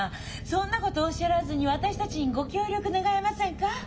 そんなことおっしゃらずに私たちにご協力願えませんか？